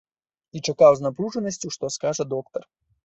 І чакаў з напружанасцю, што скажа доктар.